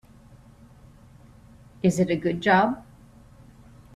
Is it a good job?